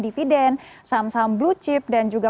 dividen saham saham blue chip dan juga